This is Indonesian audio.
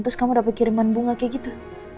terus kamu dapat kiriman bunga kayak gitu